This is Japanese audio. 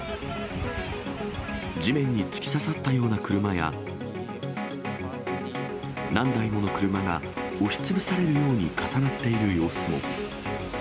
地面に突き刺さったような車や、何台もの車が押しつぶされるように重なっている様子も。